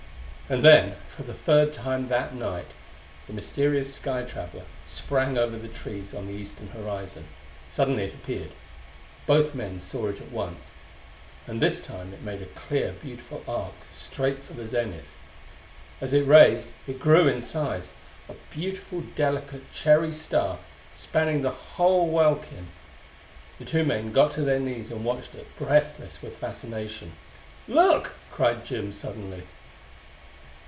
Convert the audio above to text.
And then for the third time that night the mysterious sky traveler sprang over the trees on the eastern horizon. Suddenly it appeared; both men saw it at once; and this time it made a clear, beautiful arc straight for the zenith. As it raised, it grew in size, a beautiful, delicate cherry star spanning the whole welkin. The two men got to their knees and watched it, breathless with fascination. "Look!" cried Jim suddenly.